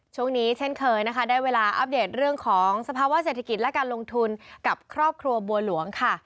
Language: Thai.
เช่นเคยนะคะได้เวลาอัปเดตเรื่องของสภาวะเศรษฐกิจและการลงทุนกับครอบครัวบัวหลวงค่ะ